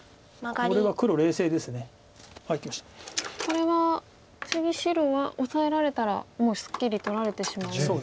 これは次白はオサえられたらもうすっきり取られてしまうんですね。